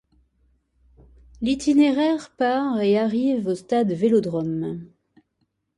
L'itinéraire part et arrive au stade Vélodrome.